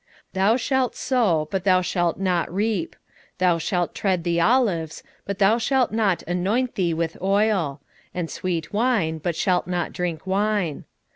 6:15 Thou shalt sow, but thou shalt not reap; thou shalt tread the olives, but thou shalt not anoint thee with oil; and sweet wine, but shalt not drink wine.